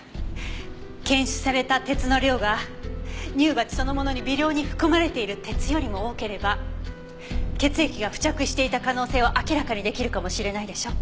検出された鉄の量が乳鉢そのものに微量に含まれている鉄よりも多ければ血液が付着していた可能性を明らかに出来るかもしれないでしょ？